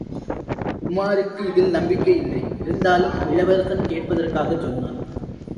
உமாருக்கு இதில் நம்பிக்கையில்லை, இருந்தாலும் இளவரசன் கேட்பதற்காகச் சொன்னான்.